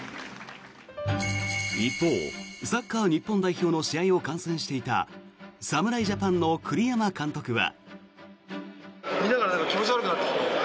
一方、サッカー日本代表の試合を観戦していた侍ジャパンの栗山監督は。